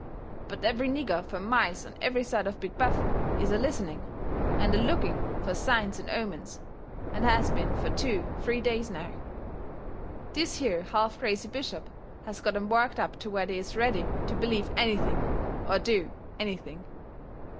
But every nigger fur miles on every side of Big Bethel is a listening and a looking fur signs and omens, and has been fur two, three days now. This here half crazy bishop has got 'em worked up to where they is ready to believe anything, or do anything.